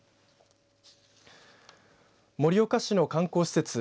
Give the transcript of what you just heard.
盛岡市の観光施設